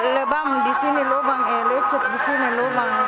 lebam disini lubang lecut disini lubang